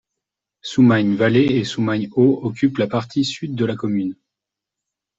Soumagne-Vallée et Soumagne-Haut occupent la partie sud de la commune.